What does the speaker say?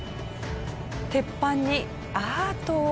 鉄板にアート。